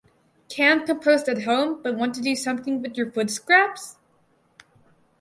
Can’t compost at home, but want to do something with your food scraps?